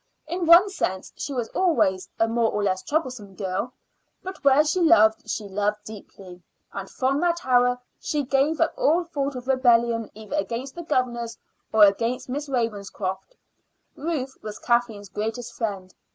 In one sense she was always a more or less troublesome girl; but where she loved she loved deeply, and from that hour she gave up all thought of rebellion either against the governors or against Miss Ravenscroft. Ruth was Kathleen's greatest friend.